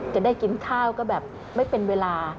จะได้กินข้าวก็แบบไม่เป็นเวลา